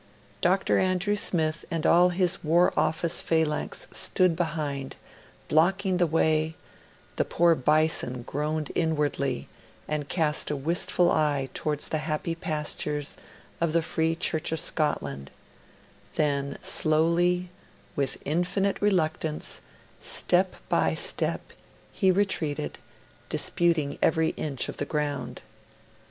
Dr. Andrew Smith and all his War Office phalanx stood behind, blocking the way; the poor Bison groaned inwardly, and cast a wistful eye towards the happy pastures of the Free Church of Scotland; then slowly, with infinite reluctance, step by step, he retreated, disputing every inch of the ground.